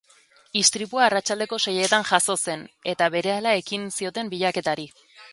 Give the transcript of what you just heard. Istripua arratsaldeko seietan jazo zen, eta berehala ekin zioten bilaketari.